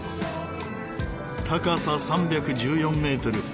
高さ３１４メートル